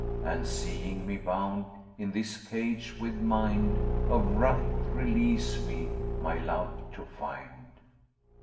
And, seeing me bound in this cage, with mind * Of ruth, release me my love to find."